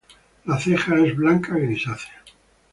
La ceja es blanca grisácea.